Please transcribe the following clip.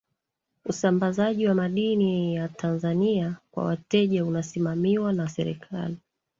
usambazaji wa madini ya tanzania kwa wateja unasimamiwa na serikali